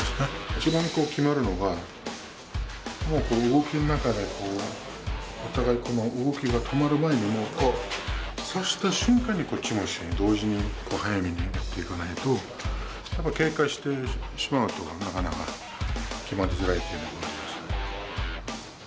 いちばんきまるのが動きの中でお互いこの動きが止まる前に差した瞬間にこっちも一緒に同時に早めにいかないとやっぱり警戒してしまうとなかなか、きまりづらいというのがありますね。